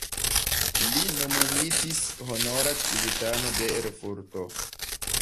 Li nomumitis honora civitano de Erfurto.